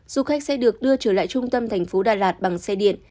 du khách sẽ được đưa trở lại trung tâm thành phố đà lạt bằng xe điện